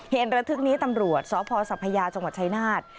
เหตุระทึกนี้ตำรวจสพสัพยาจังหวัดชายนาฏ